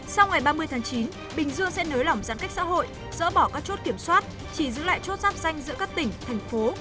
sau ngày ba mươi tháng chín bình dương sẽ nới lỏng giãn cách xã hội dỡ bỏ các chốt kiểm soát chỉ giữ lại chốt giáp danh giữa các tỉnh thành phố